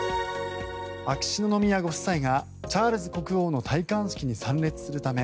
秋篠宮ご夫妻がチャールズ国王の戴冠式に参列するため